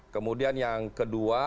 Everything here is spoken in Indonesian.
kemudian yang kedua